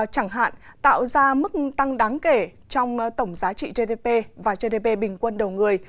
chẳng hạn tạo ra mức tăng đáng kể trong tổng giá trị gdp và gdp bình quân đầu người